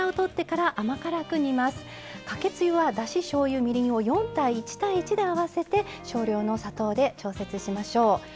かけつゆはだししょうゆみりんを４：１：１で合わせて少量の砂糖で調節しましょう。